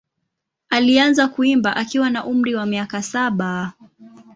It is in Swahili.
Alianza kuimba akiwa na umri wa miaka saba.